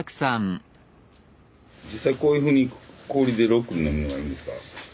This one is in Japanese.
実際こういうふうに氷でロックで飲むのがいいんですか？